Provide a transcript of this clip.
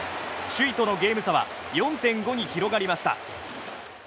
首位とのゲーム差は４．５に広がりました。